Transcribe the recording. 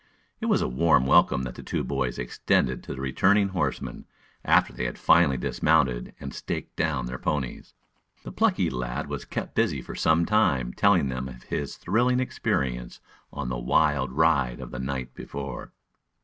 It was a warm welcome that the two boys extended to the returning horsemen, after they had finally dismounted and staked down their ponies. The plucky lad was kept busy for some time telling them of his thrilling experience on the wild ride of the night before.